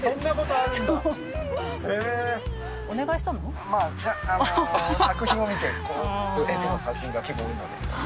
あの作品を見てこの先生の作品が結構多いので。